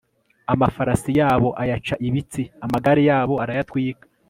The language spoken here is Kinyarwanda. amafarasi yabo ayaca ibitsi, amagare yabo arayatwika